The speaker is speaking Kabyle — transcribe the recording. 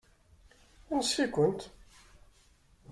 Ansi-kent?